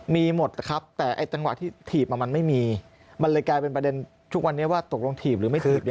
มีหมดครับแต่ไอ้จังหวะที่ถีบมันไม่มีมันเลยกลายเป็นประเด็นทุกวันนี้ว่าตกลงถีบหรือไม่ถีบ